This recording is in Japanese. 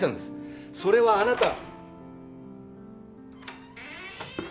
それはあなた。